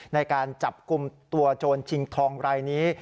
ในการจับกลุ่มตัวโจรชิงทองรายนี้